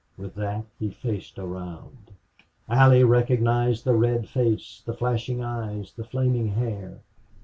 With that he faced around. Allie recognized the red face, the flashing eyes, the flaming hair.